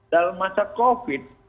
dalam masa covid